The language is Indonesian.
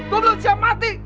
gue belum siap mati